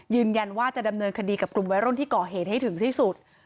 ยืนยันว่าจะดำเนินคดีกับกลุ่มวัยรุ่นที่ก่อเหตุให้ถึงที่สุด